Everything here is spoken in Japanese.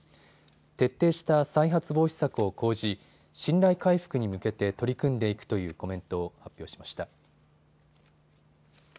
徹底した再発防止策を講じ信頼回復に向けて取り組んでいくというコメントを発表しました。